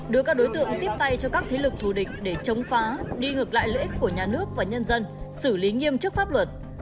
đưa các đối tượng tiếp tay cho các thế lực thù địch để chống phá đi ngược lại lợi ích của nhà nước và nhân dân xử lý nghiêm chức pháp luật